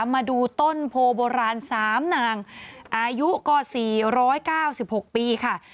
มาดูต้นโพโบราณ๓นางอายุก็๔๙๖ปีค่ะ